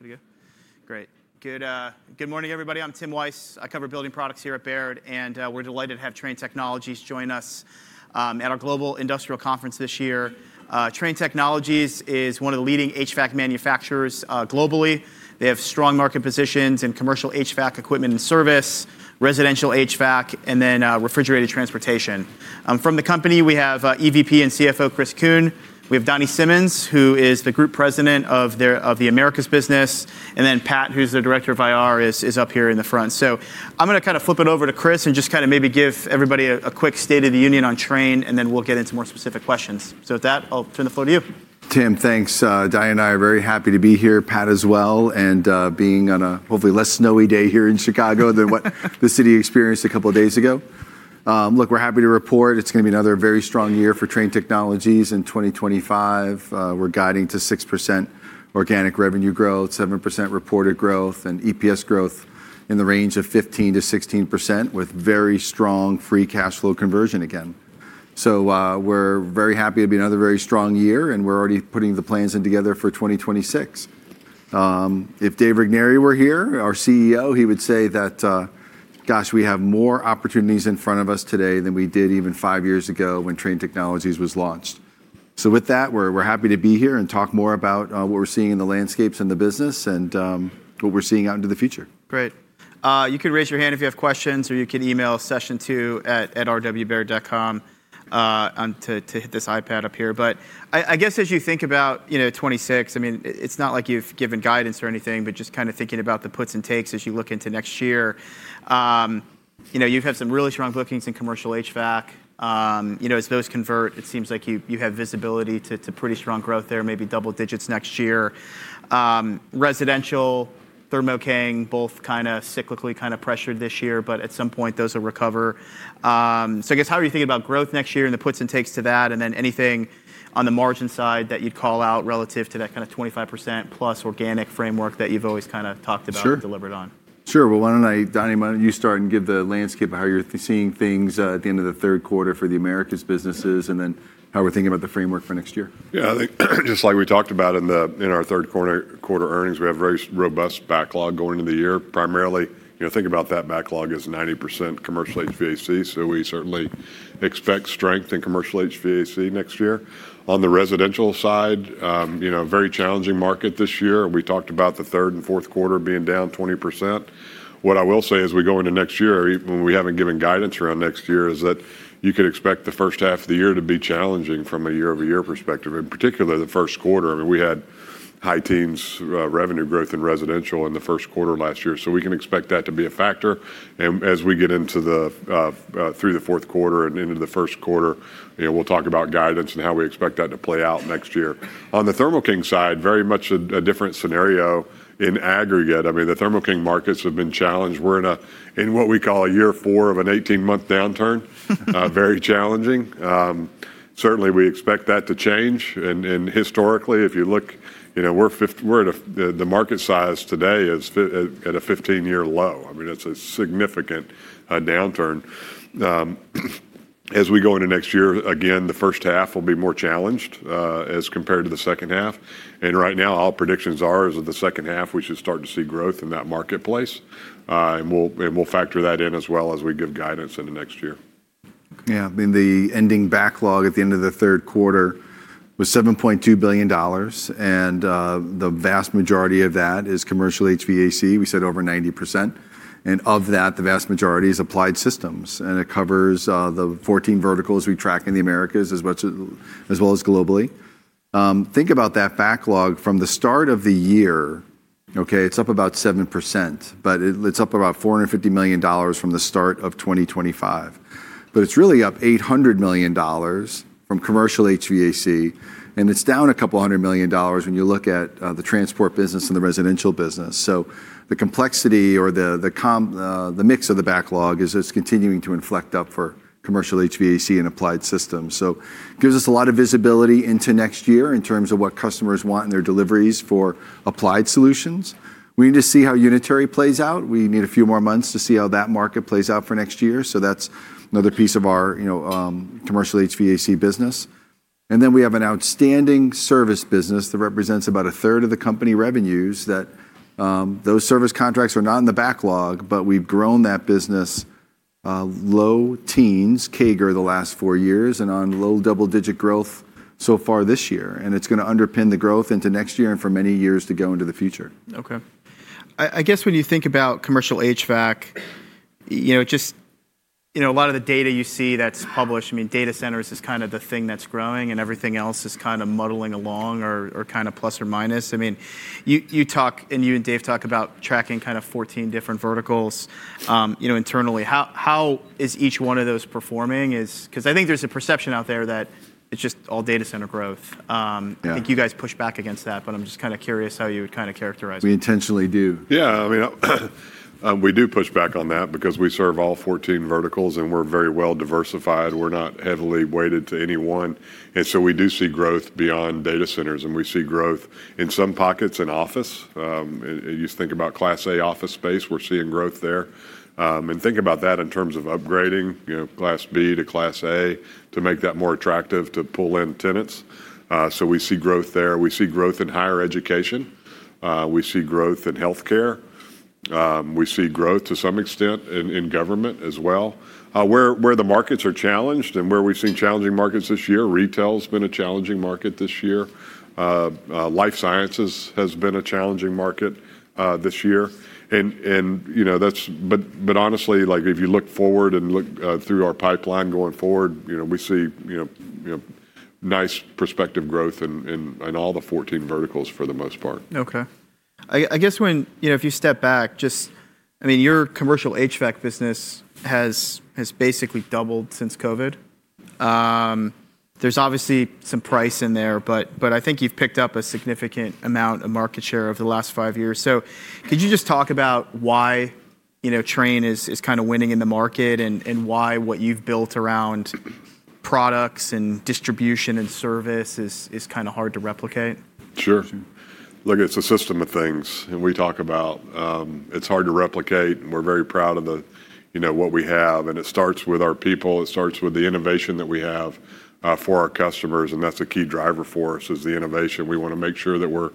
There you go. Great. Good morning, everybody. I'm Tim Wojs. I cover building products here at Baird, and we're delighted to have Trane Technologies join us at our global industrial conference this year. Trane Technologies is one of the leading HVAC manufacturers globally. They have strong market positions in commercial HVAC equipment and service, residential HVAC, and then refrigerated transportation. From the company, we have EVP and CFO Chris Kuehn. We have Donny Simmons, who is the Group President of the Americas business, and then Pat, who's the Director of IR, is up here in the front. I'm going to kind of flip it over to Chris and just kind of maybe give everybody a quick state of the union on Trane, and then we'll get into more specific questions. With that, I'll turn the floor to you. Tim, thanks. Diane and I are very happy to be here. Pat as well, and being on a hopefully less snowy day here in Chicago than what the city experienced a couple of days ago. Look, we're happy to report it's going to be another very strong year for Trane Technologies in 2025. We're guiding to 6% organic revenue growth, 7% reported growth, and EPS growth in the range of 15%-16% with very strong free cash flow conversion again. So we're very happy to be another very strong year, and we're already putting the plans in together for 2026. If Dave Regnery were here, our CEO, he would say that, gosh, we have more opportunities in front of us today than we did even five years ago when Trane Technologies was launched. With that, we're happy to be here and talk more about what we're seeing in the landscapes and the business and what we're seeing out into the future. Great. You can raise your hand if you have questions, or you can email session2@rwbaird.com to hit this iPad up here. I guess as you think about 2026, I mean, it's not like you've given guidance or anything, but just kind of thinking about the puts and takes as you look into next year. You've had some really strong bookings in commercial HVAC. As those convert, it seems like you have visibility to pretty strong growth there, maybe double digits next year. Residential, Thermo King both kind of cyclically kind of pressured this year, but at some point those will recover. I guess how are you thinking about growth next year and the puts and takes to that, and then anything on the margin side that you'd call out relative to that kind of 25%+ organic framework that you've always kind of talked about and delivered on? Sure. Why do not I, Donny, why do not you start and give the landscape of how you are seeing things at the end of the third quarter for the Americas businesses, and then how we are thinking about the framework for next year? Yeah, I think just like we talked about in our third quarter earnings, we have very robust backlog going into the year. Primarily, think about that backlog as 90% commercial HVAC. So we certainly expect strength in commercial HVAC next year. On the residential side, very challenging market this year. We talked about the third and fourth quarter being down 20%. What I will say as we go into next year, even when we haven't given guidance around next year, is that you could expect the first half of the year to be challenging from a year-over-year perspective, in particular the first quarter. I mean, we had high teens revenue growth in residential in the first quarter last year. So we can expect that to be a factor. As we get through the fourth quarter and into the first quarter, we'll talk about guidance and how we expect that to play out next year. On the Thermo King side, very much a different scenario in aggregate. I mean, the Thermo King markets have been challenged. We're in what we call year four of an 18-month downturn. Very challenging. Certainly, we expect that to change. Historically, if you look, the market size today is at a 15-year low. I mean, it's a significant downturn. As we go into next year, again, the first half will be more challenged as compared to the second half. Right now, all predictions are as of the second half, we should start to see growth in that marketplace. We'll factor that in as well as we give guidance into next year. Yeah, I mean, the ending backlog at the end of the third quarter was $7.2 billion, and the vast majority of that is commercial HVAC. We said over 90%. And of that, the vast majority is applied systems. It covers the 14 verticals we track in the Americas as well as globally. Think about that backlog from the start of the year. Okay, it's up about 7%, but it's up about $450 million from the start of 2025. It's really up $800 million from commercial HVAC, and it's down a couple hundred million dollars when you look at the transport business and the residential business. The complexity or the mix of the backlog is it's continuing to inflect up for commercial HVAC and applied systems. It gives us a lot of visibility into next year in terms of what customers want in their deliveries for applied solutions. We need to see how unitary plays out. We need a few more months to see how that market plays out for next year. That is another piece of our commercial HVAC business. We have an outstanding service business that represents about a third of the company revenues. Those service contracts are not in the backlog, but we have grown that business low teens CAGR the last four years and on low double-digit growth so far this year. It is going to underpin the growth into next year and for many years to go into the future. Okay. I guess when you think about commercial HVAC, just a lot of the data you see that's published, I mean, data centers is kind of the thing that's growing, and everything else is kind of muddling along or kind of plus or minus. I mean, you talk, and you and Dave talk about tracking kind of 14 different verticals internally. How is each one of those performing? Because I think there's a perception out there that it's just all data center growth. I think you guys push back against that, but I'm just kind of curious how you would kind of characterize it. We intentionally do. Yeah, I mean, we do push back on that because we serve all 14 verticals, and we're very well diversified. We're not heavily weighted to any one. We do see growth beyond data centers, and we see growth in some pockets in office. You just think about Class A office space. We're seeing growth there. Think about that in terms of upgrading Class B to Class A to make that more attractive to pull in tenants. We see growth there. We see growth in higher education. We see growth in healthcare. We see growth to some extent in government as well. Where the markets are challenged and where we've seen challenging markets this year, retail has been a challenging market this year. Life sciences has been a challenging market this year. Honestly, if you look forward and look through our pipeline going forward, we see nice prospective growth in all the 14 verticals for the most part. Okay. I guess if you step back, just, I mean, your commercial HVAC business has basically doubled since COVID. There's obviously some price in there, but I think you've picked up a significant amount of market share over the last five years. Could you just talk about why Trane is kind of winning in the market and why what you've built around products and distribution and service is kind of hard to replicate? Sure. Look, it's a system of things. We talk about it's hard to replicate. We're very proud of what we have. It starts with our people. It starts with the innovation that we have for our customers. That's a key driver for us, is the innovation. We want to make sure that we're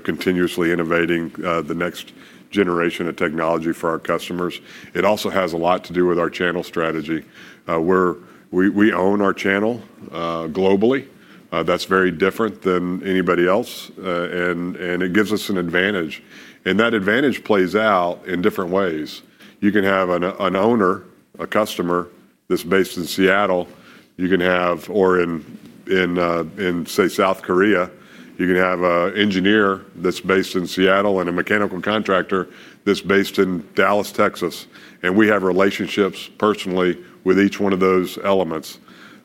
continuously innovating the next generation of technology for our customers. It also has a lot to do with our channel strategy. We own our channel globally. That's very different than anybody else. It gives us an advantage. That advantage plays out in different ways. You can have an owner, a customer that's based in Seattle. You can have, or in, say, South Korea, you can have an engineer that's based in Seattle and a mechanical contractor that's based in Dallas, Texas. We have relationships personally with each one of those elements.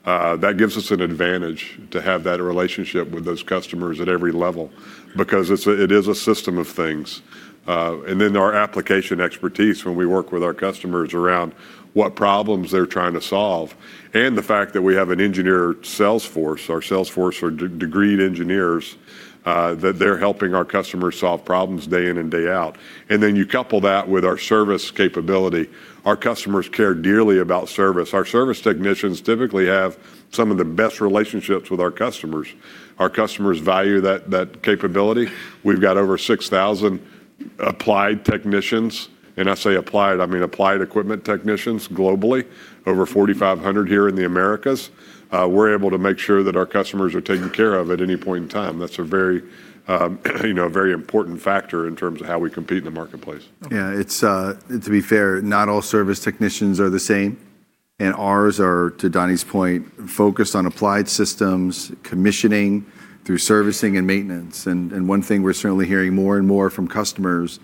That gives us an advantage to have that relationship with those customers at every level because it is a system of things. Our application expertise when we work with our customers around what problems they're trying to solve and the fact that we have an engineer sales force, our sales force are degreed engineers, that they're helping our customers solve problems day in and day out. You couple that with our service capability. Our customers care dearly about service. Our service technicians typically have some of the best relationships with our customers. Our customers value that capability. We've got over 6,000 applied technicians. I say applied, I mean applied equipment technicians globally, over 4,500 here in the Americas. We're able to make sure that our customers are taken care of at any point in time. That's a very important factor in terms of how we compete in the marketplace. Yeah, to be fair, not all service technicians are the same. And ours are, to Donny's point, focused on applied systems, commissioning through servicing and maintenance. One thing we're certainly hearing more and more from customers,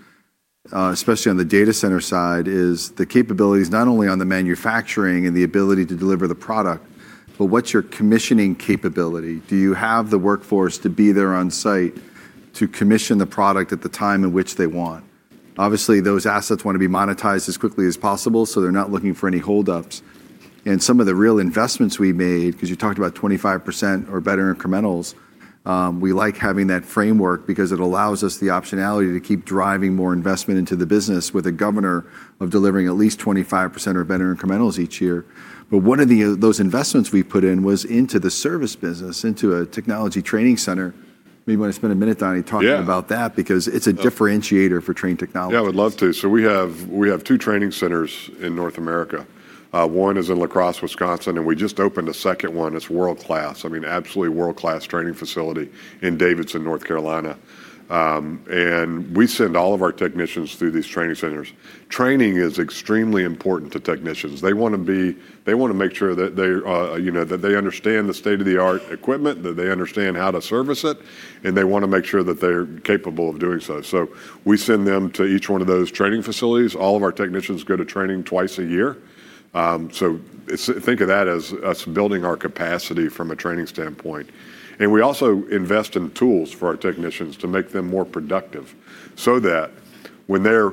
especially on the data center side, is the capabilities not only on the manufacturing and the ability to deliver the product, but what's your commissioning capability? Do you have the workforce to be there on site to commission the product at the time in which they want? Obviously, those assets want to be monetized as quickly as possible, so they're not looking for any holdups. Some of the real investments we made, because you talked about 25% or better incrementals, we like having that framework because it allows us the optionality to keep driving more investment into the business with a governor of delivering at least 25% or better incrementals each year. One of those investments we put in was into the service business, into a technology training center. Maybe you want to spend a minute, Donny, talking about that because it's a differentiator for Trane Technologies. Yeah, I would love to. We have two training centers in North America. One is in La Crosse, Wisconsin, and we just opened a second one. It's world-class, I mean, absolutely world-class training facility in Davidson, North Carolina. We send all of our technicians through these training centers. Training is extremely important to technicians. They want to make sure that they understand the state of the art equipment, that they understand how to service it, and they want to make sure that they're capable of doing so. We send them to each one of those training facilities. All of our technicians go to training twice a year. Think of that as us building our capacity from a training standpoint. We also invest in tools for our technicians to make them more productive so that when they're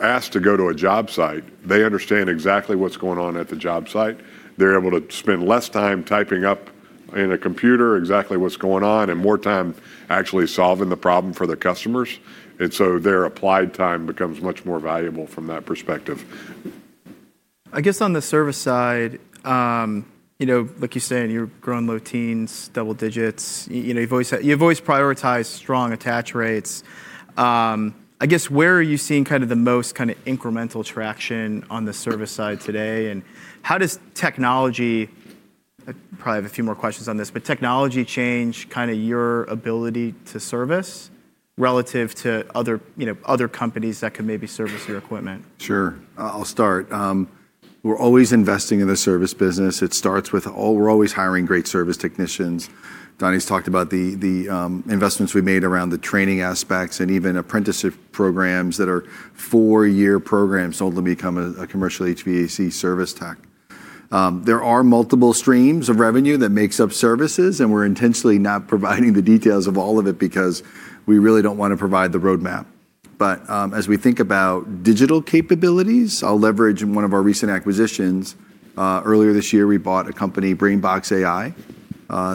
asked to go to a job site, they understand exactly what's going on at the job site. They're able to spend less time typing up in a computer exactly what's going on and more time actually solving the problem for the customers. Their applied time becomes much more valuable from that perspective. I guess on the service side, like you're saying, you're growing low teens, double digits. You've always prioritized strong attach rates. I guess where are you seeing kind of the most kind of incremental traction on the service side today? How does technology—probably have a few more questions on this—but technology change kind of your ability to service relative to other companies that can maybe service your equipment? Sure. I'll start. We're always investing in the service business. It starts with—we're always hiring great service technicians. Donny's talked about the investments we made around the training aspects and even apprenticeship programs that are four-year programs only to become a commercial HVAC service tech. There are multiple streams of revenue that make up services, and we're intentionally not providing the details of all of it because we really don't want to provide the roadmap. As we think about digital capabilities, I'll leverage one of our recent acquisitions. Earlier this year, we bought a company, BrainBox AI.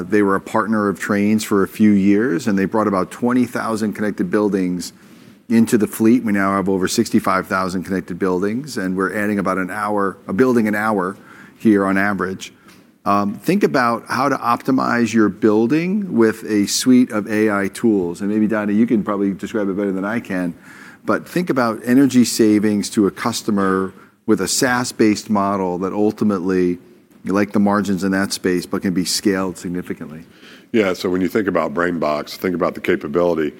They were a partner of Trane's for a few years, and they brought about 20,000 connected buildings into the fleet. We now have over 65,000 connected buildings, and we're adding about a building an hour here on average. Think about how to optimize your building with a suite of AI tools. Maybe, Donny, you can probably describe it better than I can, but think about energy savings to a customer with a SaaS-based model that ultimately, like the margins in that space, but can be scaled significantly. Yeah, so when you think about BrainBox, think about the capability.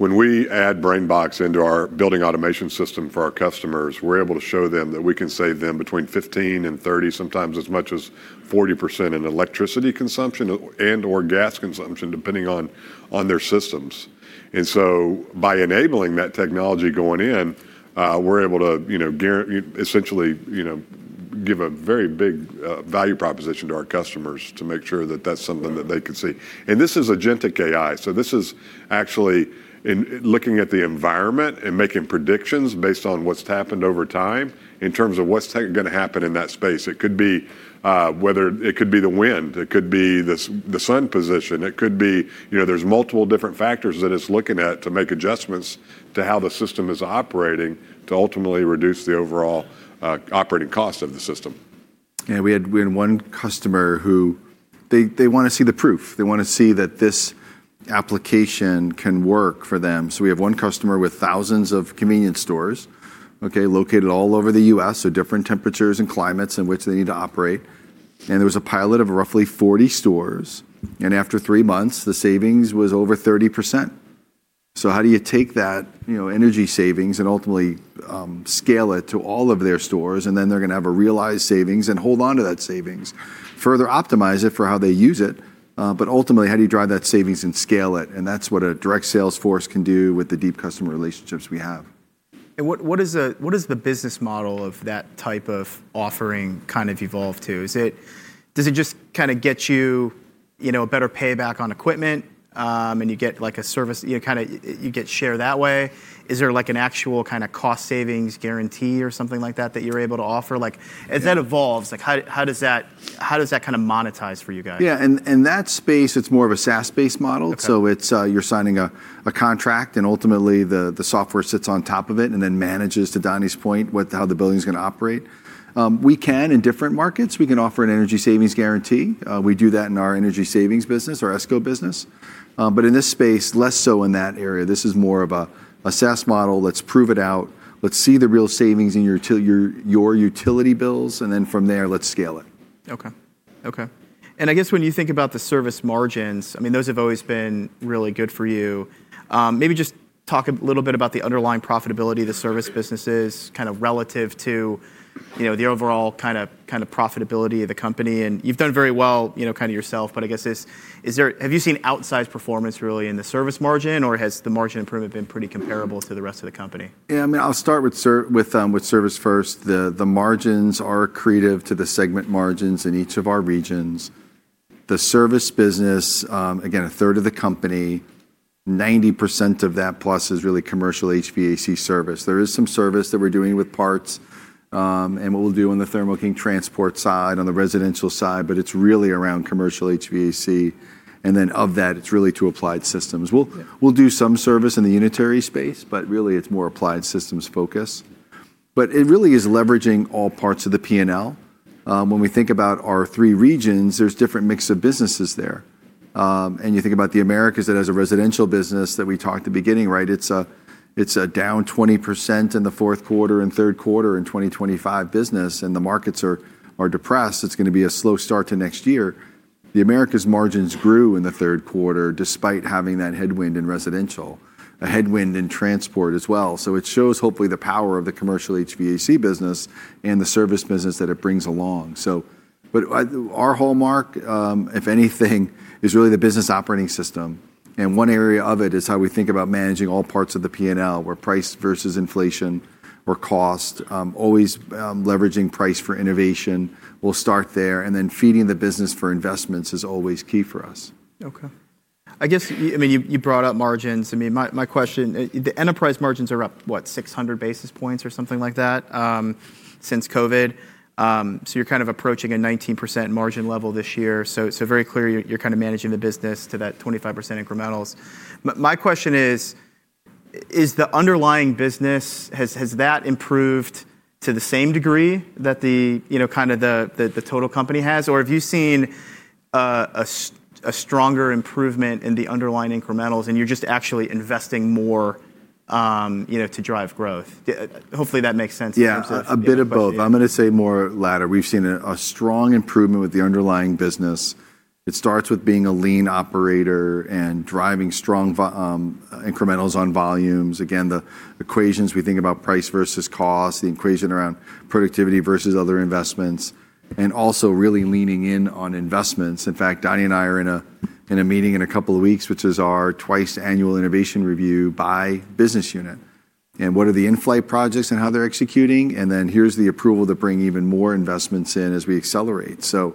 When we add BrainBox into our building automation system for our customers, we're able to show them that we can save them between 15% and 30%, sometimes as much as 40% in electricity consumption and/or gas consumption, depending on their systems. By enabling that technology going in, we're able to essentially give a very big value proposition to our customers to make sure that that's something that they can see. This is agentic AI. This is actually looking at the environment and making predictions based on what's happened over time in terms of what's going to happen in that space. It could be weather, it could be the wind, it could be the sun position. It could be there's multiple different factors that it's looking at to make adjustments to how the system is operating to ultimately reduce the overall operating cost of the system. Yeah, we had one customer who, they want to see the proof. They want to see that this application can work for them. We have one customer with thousands of convenience stores located all over the U.S., so different temperatures and climates in which they need to operate. There was a pilot of roughly 40 stores. After three months, the savings was over 30%. How do you take that energy savings and ultimately scale it to all of their stores? They are going to have a realized savings and hold on to that savings, further optimize it for how they use it. Ultimately, how do you drive that savings and scale it? That is what a direct sales force can do with the deep customer relationships we have. What does the business model of that type of offering kind of evolve to? Does it just kind of get you a better payback on equipment and you get like a service, kind of you get share that way? Is there like an actual kind of cost savings guarantee or something like that that you're able to offer? As that evolves, how does that kind of monetize for you guys? Yeah, in that space, it's more of a SaaS-based model. So you're signing a contract, and ultimately, the software sits on top of it and then manages, to Donny's point, how the building is going to operate. We can in different markets. We can offer an energy savings guarantee. We do that in our energy savings business, our ESCO business. In this space, less so in that area. This is more of a SaaS model. Let's prove it out. Let's see the real savings in your utility bills. From there, let's scale it. Okay. Okay. I guess when you think about the service margins, I mean, those have always been really good for you. Maybe just talk a little bit about the underlying profitability of the service businesses kind of relative to the overall kind of profitability of the company. You've done very well kind of yourself, but I guess have you seen outsized performance really in the service margin, or has the margin improvement been pretty comparable to the rest of the company? Yeah, I mean, I'll start with service first. The margins are accretive to the segment margins in each of our regions. The service business, again, a third of the company, 90% of that plus is really commercial HVAC service. There is some service that we're doing with parts and what we'll do on the Thermo King transport side, on the residential side, but it's really around commercial HVAC. Of that, it's really to applied systems. We'll do some service in the unitary space, but really, it's more applied systems focus. It really is leveraging all parts of the P&L. When we think about our three regions, there's different mix of businesses there. You think about the Americas that has a residential business that we talked at the beginning, right? It's a down 20% in the fourth quarter and third quarter in 2025 business, and the markets are depressed. It's going to be a slow start to next year. The Americas margins grew in the third quarter despite having that headwind in residential, a headwind in transport as well. It shows hopefully the power of the commercial HVAC business and the service business that it brings along. Our hallmark, if anything, is really the business operating system. One area of it is how we think about managing all parts of the P&L, where price versus inflation or cost, always leveraging price for innovation. We'll start there. Feeding the business for investments is always key for us. Okay. I guess, I mean, you brought up margins. I mean, my question, the enterprise margins are up, what, 600 basis points or something like that since COVID. So you're kind of approaching a 19% margin level this year. So very clear you're kind of managing the business to that 25% incrementals. My question is, has the underlying business improved to the same degree that kind of the total company has? Or have you seen a stronger improvement in the underlying incrementals and you're just actually investing more to drive growth? Hopefully, that makes sense in terms of. Yeah, a bit of both. I'm going to say more latter. We've seen a strong improvement with the underlying business. It starts with being a lean operator and driving strong incrementals on volumes. Again, the equations we think about price versus cost, the equation around productivity versus other investments, and also really leaning in on investments. In fact, Donny and I are in a meeting in a couple of weeks, which is our twice-annual innovation review by business unit. What are the in-flight projects and how they're executing? Here's the approval to bring even more investments in as we accelerate. It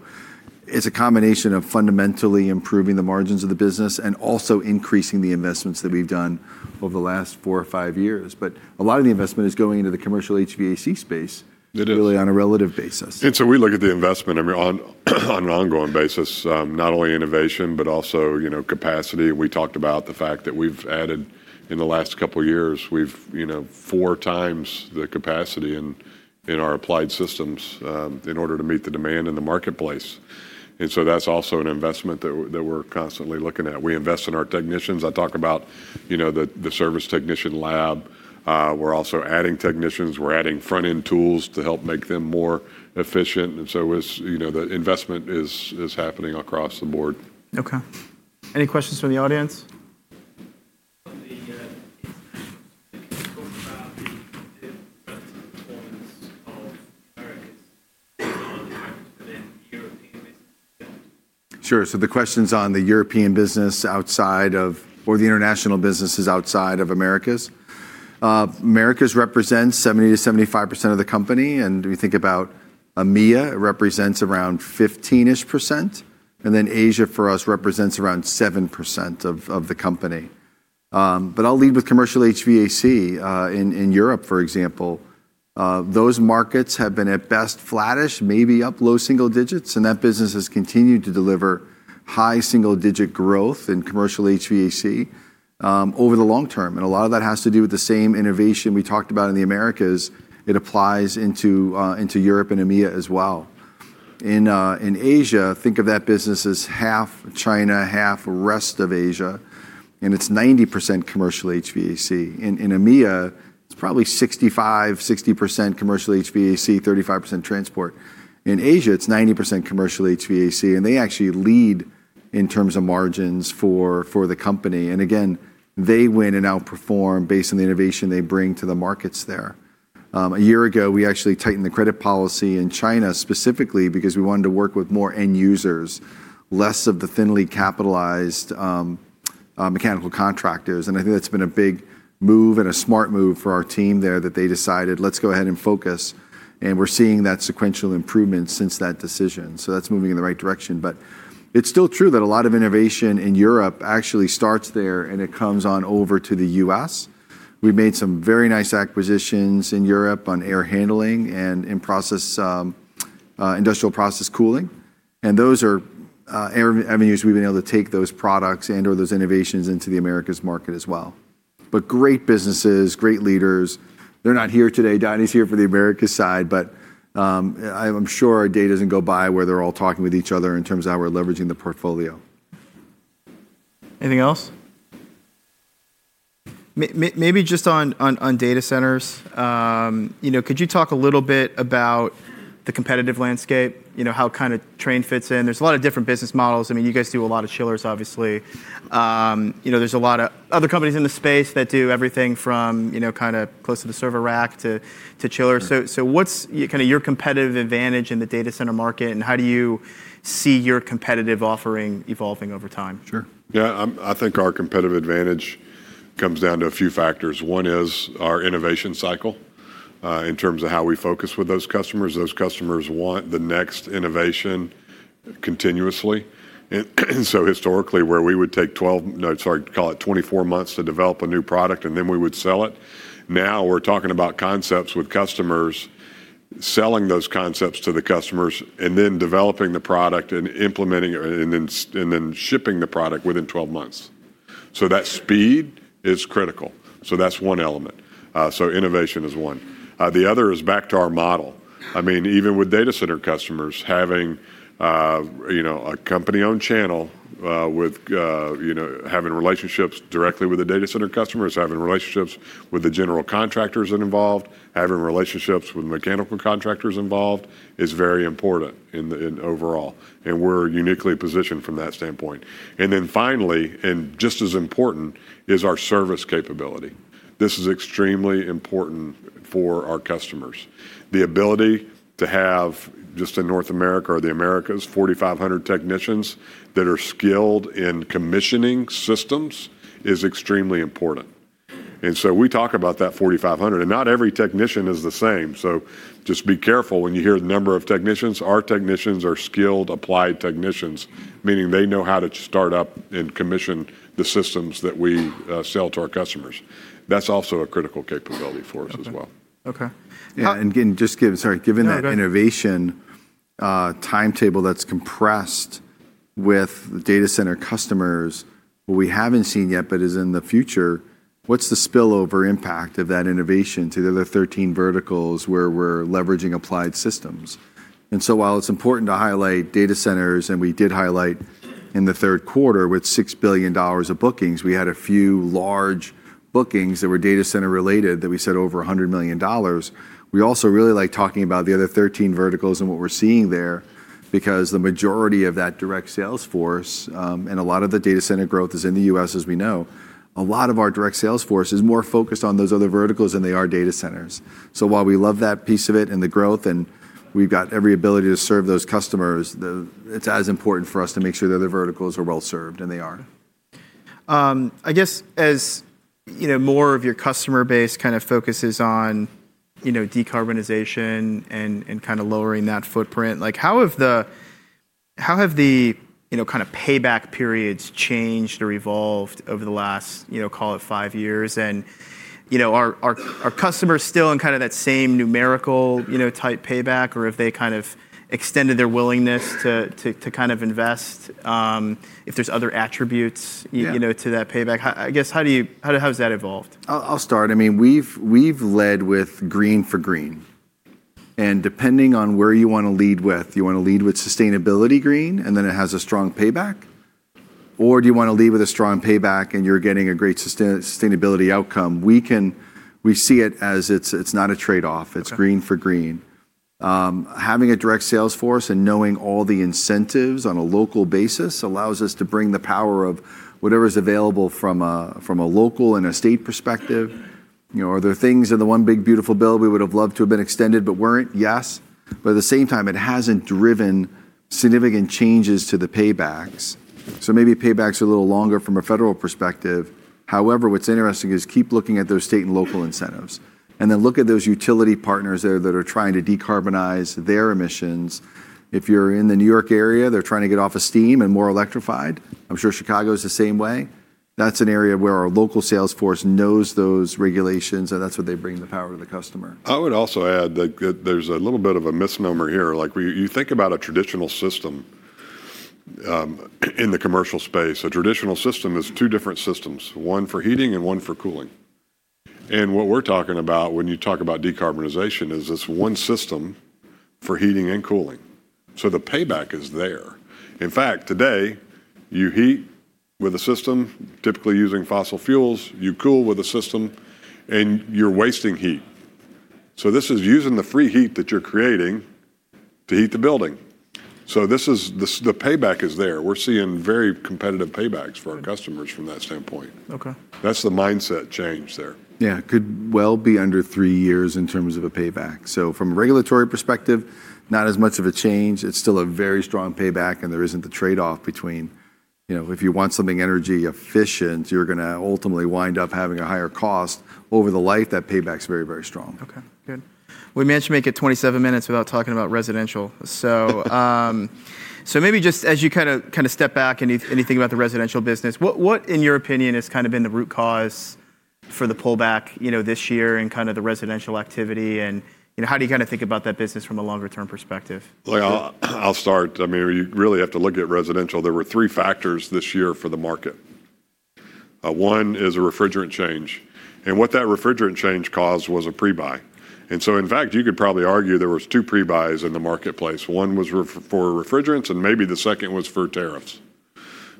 is a combination of fundamentally improving the margins of the business and also increasing the investments that we've done over the last four or five years. A lot of the investment is going into the commercial HVAC space, really on a relative basis. We look at the investment, I mean, on an ongoing basis, not only innovation, but also capacity. We talked about the fact that we've added in the last couple of years, we've 4x the capacity in our applied systems in order to meet the demand in the marketplace. That is also an investment that we're constantly looking at. We invest in our technicians. I talk about the service technician lab. We're also adding technicians. We're adding front-end tools to help make them more efficient. The investment is happening across the board. Okay. Any questions from the audience? Sure. The question is on the European business outside of or the international businesses outside of Americas. Americas represents 70%-75% of the company. We think about EMEA, it represents around 15% or so. Asia for us represents around 7% of the company. I'll lead with commercial HVAC in Europe, for example. Those markets have been at best flattish, maybe up low single digits. That business has continued to deliver high single-digit growth in commercial HVAC over the long term. A lot of that has to do with the same innovation we talked about in the Americas. It applies into Europe and EMEA as well. In Asia, think of that business as half China, half rest of Asia. It is 90% commercial HVAC. In EMEA, it is probably 65%-60% commercial HVAC, 35% transport. In Asia, it is 90% commercial HVAC. They actually lead in terms of margins for the company. Again, they win and outperform based on the innovation they bring to the markets there. A year ago, we actually tightened the credit policy in China specifically because we wanted to work with more end users, less of the thinly capitalized mechanical contractors. I think that's been a big move and a smart move for our team there that they decided, let's go ahead and focus. We're seeing that sequential improvement since that decision. That's moving in the right direction. It is still true that a lot of innovation in Europe actually starts there and it comes on over to the U.S. We made some very nice acquisitions in Europe on air handling and in industrial process cooling. Those are avenues we've been able to take those products and/or those innovations into the Americas market as well. Great businesses, great leaders. They're not here today. Donny's here for the Americas side. I'm sure a day doesn't go by where they're all talking with each other in terms of how we're leveraging the portfolio. Anything else? Maybe just on data centers. Could you talk a little bit about the competitive landscape, how kind of Trane fits in? There's a lot of different business models. I mean, you guys do a lot of chillers, obviously. There's a lot of other companies in the space that do everything from kind of close to the server rack to chillers. What is kind of your competitive advantage in the data center market and how do you see your competitive offering evolving over time? Sure. Yeah, I think our competitive advantage comes down to a few factors. One is our innovation cycle in terms of how we focus with those customers. Those customers want the next innovation continuously. Historically, where we would take 12, no, sorry, call it 24 months to develop a new product and then we would sell it. Now we are talking about concepts with customers, selling those concepts to the customers, and then developing the product and implementing it and then shipping the product within 12 months. That speed is critical. That is one element. Innovation is one. The other is back to our model. I mean, even with data center customers, having a company-owned channel with having relationships directly with the data center customers, having relationships with the general contractors involved, having relationships with mechanical contractors involved is very important overall. We are uniquely positioned from that standpoint. Finally, and just as important, is our service capability. This is extremely important for our customers. The ability to have just in North America or the Americas, 4,500 technicians that are skilled in commissioning systems is extremely important. We talk about that 4,500. Not every technician is the same, so just be careful when you hear the number of technicians. Our technicians are skilled applied technicians, meaning they know how to start up and commission the systems that we sell to our customers. That is also a critical capability for us as well. Okay. Just given, sorry, given that innovation timetable that's compressed with data center customers, what we haven't seen yet, but is in the future, what's the spillover impact of that innovation to the other 13 verticals where we're leveraging applied systems? While it's important to highlight data centers, and we did highlight in the third quarter with $6 billion of bookings, we had a few large bookings that were data center related that we said over $100 million. We also really like talking about the other 13 verticals and what we're seeing there because the majority of that direct sales force and a lot of the data center growth is in the U.S., as we know. A lot of our direct sales force is more focused on those other verticals than they are data centers. While we love that piece of it and the growth and we've got every ability to serve those customers, it's as important for us to make sure the other verticals are well served, and they are. I guess as more of your customer base kind of focuses on decarbonization and kind of lowering that footprint, how have the kind of payback periods changed or evolved over the last, call it, five years? Are customers still in kind of that same numerical type payback, or have they kind of extended their willingness to kind of invest? If there are other attributes to that payback, I guess, how has that evolved? I'll start. I mean, we've led with green for green. And depending on where you want to lead with, you want to lead with sustainability green, and then it has a strong payback. Or do you want to lead with a strong payback and you're getting a great sustainability outcome? We see it as it's not a trade-off. It's green for green. Having a direct sales force and knowing all the incentives on a local basis allows us to bring the power of whatever is available from a local and a state perspective. Are there things in the one big beautiful bill we would have loved to have been extended but were not? Yes. At the same time, it has not driven significant changes to the paybacks. Maybe paybacks are a little longer from a federal perspective. However, what's interesting is keep looking at those state and local incentives. Look at those utility partners there that are trying to decarbonize their emissions. If you're in the New York area, they're trying to get off steam and more electrified. I'm sure Chicago is the same way. That's an area where our local sales force knows those regulations, and that's what they bring the power to the customer. I would also add that there's a little bit of a misnomer here. You think about a traditional system in the commercial space. A traditional system is two different systems, one for heating and one for cooling. What we're talking about when you talk about decarbonization is this one system for heating and cooling. The payback is there. In fact, today, you heat with a system, typically using fossil fuels. You cool with a system, and you're wasting heat. This is using the free heat that you're creating to heat the building. The payback is there. We're seeing very competitive paybacks for our customers from that standpoint. That's the mindset change there. Yeah, could well be under three years in terms of a payback. From a regulatory perspective, not as much of a change. It's still a very strong payback, and there isn't the trade-off between if you want something energy efficient, you're going to ultimately wind up having a higher cost over the life. That payback is very, very strong. Okay. Good. We managed to make it 27 minutes without talking about residential. Maybe just as you kind of step back and you think about the residential business, what, in your opinion, has kind of been the root cause for the pullback this year in kind of the residential activity? How do you kind of think about that business from a longer-term perspective? I'll start. I mean, you really have to look at residential. There were three factors this year for the market. One is a refrigerant change. What that refrigerant change caused was a prebuy. In fact, you could probably argue there were two prebuys in the marketplace. One was for refrigerants, and maybe the second was for tariffs.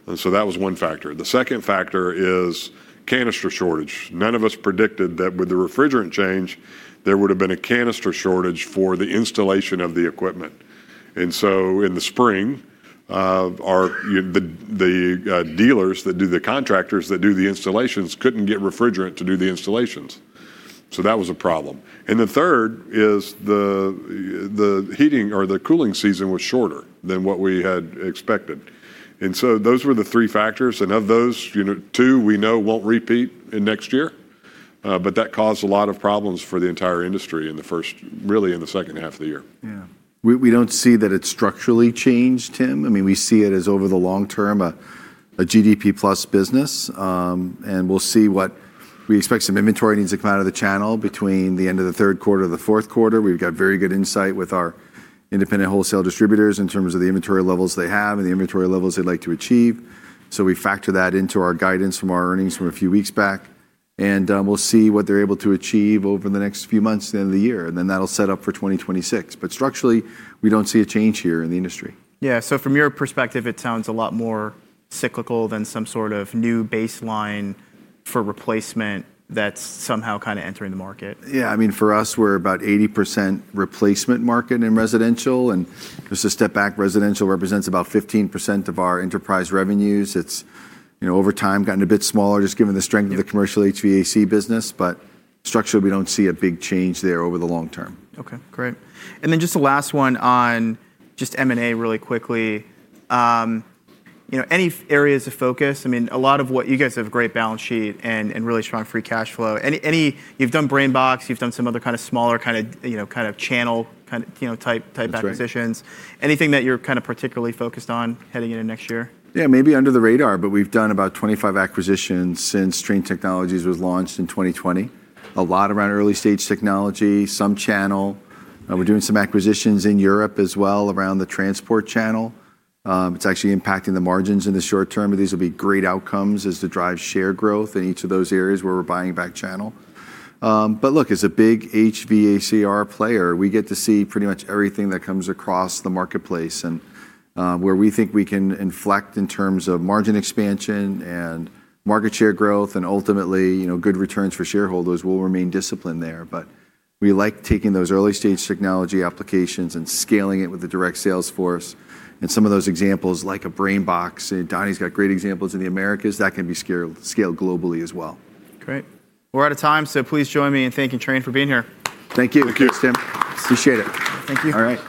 That was one factor. The second factor is canister shortage. None of us predicted that with the refrigerant change, there would have been a canister shortage for the installation of the equipment. In the spring, the dealers that do the contractors that do the installations could not get refrigerant to do the installations. That was a problem. The third is the heating or the cooling season was shorter than what we had expected. Those were the three factors. Of those, two we know won't repeat in next year. That caused a lot of problems for the entire industry in the first, really in the second half of the year. Yeah. We do not see that it is structurally changed, Tim. I mean, we see it as over the long term, a GDP plus business. We expect some inventory needs to come out of the channel between the end of the third quarter and the fourth quarter. We have very good insight with our independent wholesale distributors in terms of the inventory levels they have and the inventory levels they would like to achieve. We factor that into our guidance from our earnings from a few weeks back. We will see what they are able to achieve over the next few months at the end of the year. That will set up for 2026. Structurally, we do not see a change here in the industry. Yeah. From your perspective, it sounds a lot more cyclical than some sort of new baseline for replacement that's somehow kind of entering the market. Yeah. I mean, for us, we're about 80% replacement market in residential. And just to step back, residential represents about 15% of our enterprise revenues. It's over time gotten a bit smaller just given the strength of the commercial HVAC business. But structurally, we don't see a big change there over the long term. Okay. Great. Just the last one on just M&A really quickly. Any areas of focus? I mean, a lot of what you guys have a great balance sheet and really strong free cash flow. You've done BrainBox. You've done some other kind of smaller kind of channel type acquisitions. Anything that you're kind of particularly focused on heading into next year? Yeah, maybe under the radar, but we've done about 25 acquisitions since Trane Technologies was launched in 2020. A lot around early-stage technology, some channel. We're doing some acquisitions in Europe as well around the transport channel. It's actually impacting the margins in the short term, but these will be great outcomes as to drive share growth in each of those areas where we're buying back channel. Look, as a big HVACR player, we get to see pretty much everything that comes across the marketplace and where we think we can inflect in terms of margin expansion and market share growth. Ultimately, good returns for shareholders will remain disciplined there. We like taking those early-stage technology applications and scaling it with the direct sales force. Some of those examples like BrainBox, and Donny's got great examples in the Americas, that can be scaled globally as well. Great. We're out of time, so please join me in thanking Trane for being here. Thank you. Thank you, Tim. Appreciate it. Thank you. All right.